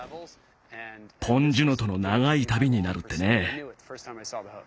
ポン・ジュノとの長い旅になるってね。